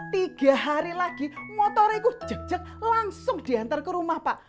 tiga hari lagi motoriku cek cek langsung diantar ke rumah pak